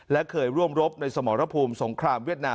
และเคยร่วมรบในสมรภูมิสงครามเวียดนาม